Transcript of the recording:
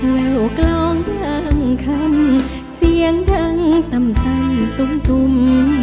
เวลกรองยางคำเสียงดังตำตำตุ่มตุ่ม